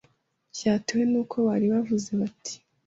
byatewe n uko bari bavuze bati